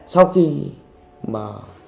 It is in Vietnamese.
sau khi mà